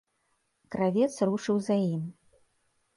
Кравец рушыў за ім.